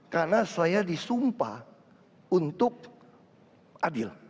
karena saya disumpah untuk adil